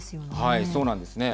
そうなんですね。